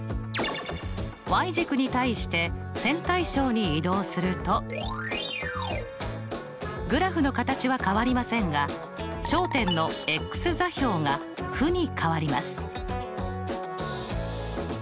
軸に対して線対称に移動するとグラフの形は変わりませんが頂点の座標が負に変わります。